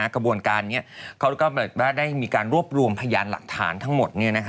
กระบวนการนี้เขาก็ได้มีการรวบรวมพยานหลักฐานทั้งหมด